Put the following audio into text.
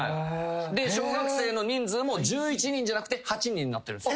小学生の人数も１１人じゃなくて８人になってるんす。